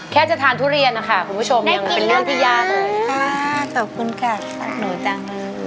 แค่จะทานทุเรียนนะคะคุณผู้ชมยังได้กินแล้วนะคะค่ะขอบคุณค่ะหนูจำมาก